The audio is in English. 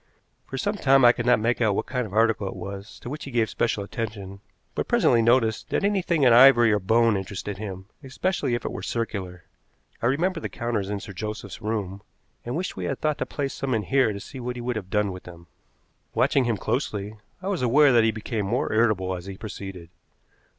For some time I could not make out what kind of article it was to which he gave special attention, but presently noticed that anything in ivory or bone interested him, especially if it were circular. I remembered the counters in Sir Joseph's room, and wished we had thought to place some in here to see what he would have done with them. Watching him closely, I was aware that he became more irritable as he proceeded.